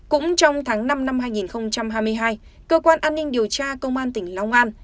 cũng trong tháng năm năm hai nghìn hai mươi hai cơ quan an ninh điều tra công an tỉnh long an